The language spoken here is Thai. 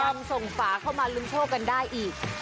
ส่งฝาเข้ามาลุ้นโชคกันได้อีก